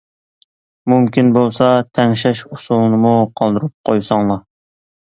مۇمكىن بولسا تەڭشەش ئۇسۇلىنىمۇ قالدۇرۇپ قويساڭلار.